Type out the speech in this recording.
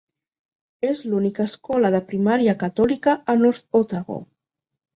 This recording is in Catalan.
És l'única escola de primària catòlica a North Otago.